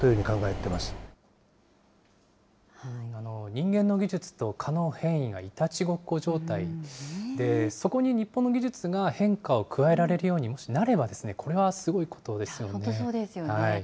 人間の技術と蚊の変異がいたちごっこ状態で、そこに日本の技術が変化を加えられるようにもしなれば、これはす本当そうですよね。